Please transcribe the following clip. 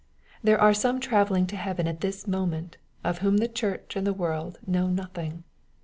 There are some travelling to heaven at this mo ment, of whom the church and the world know nothing.